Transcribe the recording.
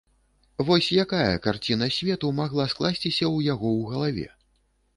Вось якая карціна свету магла скласціся ў яго ў галаве?